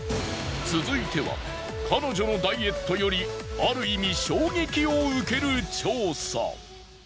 続いては彼女のダイエットよりある意味衝撃を受ける調査。